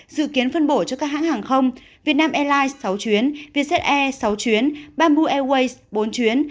dự kiến phân bổ cho các hãng hàng không việt nam airlines sáu chuyến vietjet air sáu chuyến bamboo airways bốn chuyến